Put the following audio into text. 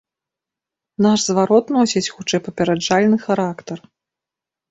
Наш зварот носіць хутчэй папераджальны характар.